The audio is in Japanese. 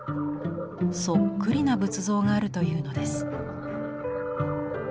そっくりな仏像があるというのです。